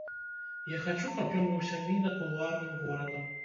Я хачу, каб ён быў сямейна-кулуарным горадам.